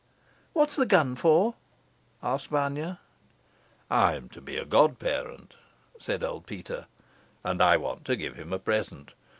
"What is the gun for?" asked Vanya. "I am to be a godparent," said old Peter, "and I want to give him a present.